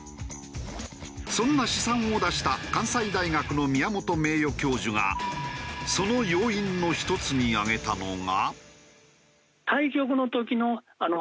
そんな試算を出した関西大学の宮本名誉教授がその要因の一つに挙げたのが。